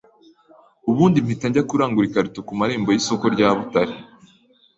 ubundi mpita njya kurangura ikarito ku marembo y’isoko rya Butare.